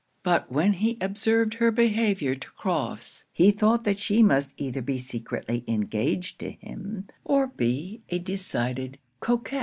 But when he observed her behaviour to Crofts, he thought that she must either be secretly engaged to him, or be a decided coquet.